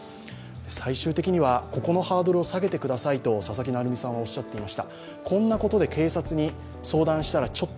最終的にはここのハードルを下げてくださいと、佐々木成三さんはおっしゃっていました。